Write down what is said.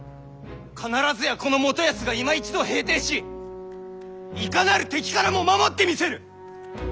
必ずやこの元康がいま一度平定しいかなる敵からも守ってみせる！